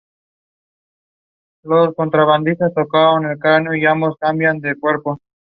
Dejó de pertenecer al club hondureño en noviembre de ese mismo año.